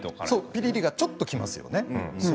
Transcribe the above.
ピリリがちょっときますよね。